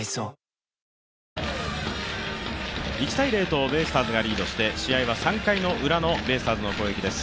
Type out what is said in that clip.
１−０とベイスターズがリードして試合は３回ウラのベイスターズの攻撃です。